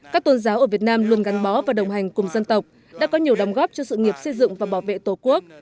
các tôn giáo ở việt nam luôn gắn bó và đồng hành cùng dân tộc đã có nhiều đóng góp cho sự nghiệp xây dựng và bảo vệ tổ quốc